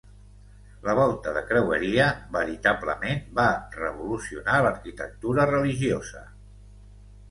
La volta de creueria veritablement va revolucionar l'arquitectura religiosa.